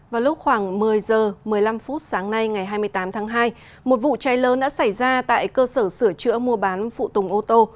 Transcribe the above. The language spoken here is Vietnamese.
vào lúc khoảng một mươi h một mươi năm phút sáng nay ngày hai mươi tám tháng hai một vụ cháy lớn đã xảy ra tại cơ sở sửa chữa mua bán phụ tùng ô tô